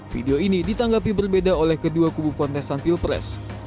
video ini ditanggapi berbeda oleh kedua kubu kontestan pilpres